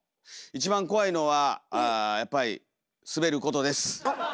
一番怖いのはやっぱり滑ることです。